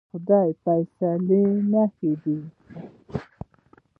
خدای به فصلونه ښه کړي.